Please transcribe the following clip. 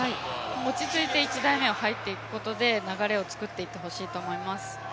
落ち着いて１台目に入ることで流れを作っていってほしいと思います。